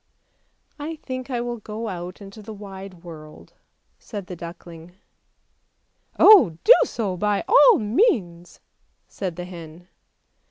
" I think I will go out into the wide world," said the duckling. " Oh, do so by all means," said the hen.